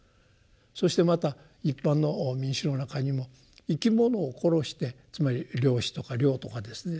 そしてまた一般の民衆の中にも生き物を殺してつまり漁師とか猟とかですね